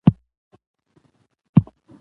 تالابونه د افغانستان د سیاسي جغرافیه برخه ده.